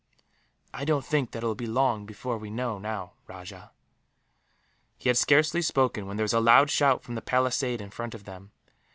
"I don't think that it will be long before we know, now, Rajah." He had scarcely spoken, when there was a loud shout from the palisade in front of them.